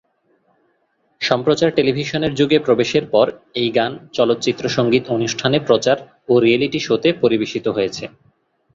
সম্প্রচার টেলিভিশনের যুগে প্রবেশের পর এই গান, চলচ্চিত্র সংগীত অনুষ্ঠানে প্রচার ও রিয়েলিটি শোতে পরিবেশিত হয়েছে।